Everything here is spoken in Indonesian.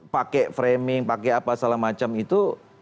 pakai framing pakai apa salah macam itu